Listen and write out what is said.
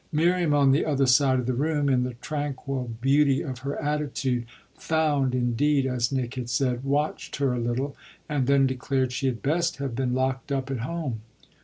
Miriam, on the other side of the room, in the tranquil beauty of her attitude "found" indeed, as Nick had said watched her a little and then declared she had best have been locked up at home.